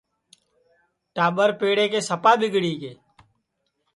ٹاٻر پیڑے کے سپا ٻِگڑی گے